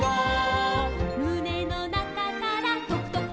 「むねのなかからとくとくとく」